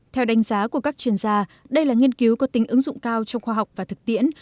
theo đánh giá của các chuyên gia đây là nghiên cứu có tính ứng dụng cao trong khoa học và thực tiễn